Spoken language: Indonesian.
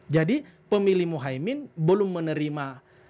jadi pemilih muhyemini belum menerima